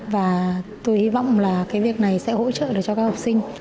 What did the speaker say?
và tôi hy vọng là cái việc này sẽ hỗ trợ được cho các học sinh